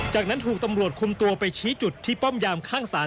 จากนั้นถูกตำรวจคุมตัวไปชี้จุดที่ป้อมยามข้างศาล